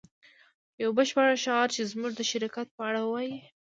یو بشپړ شعار چې زموږ د شرکت په اړه ووایی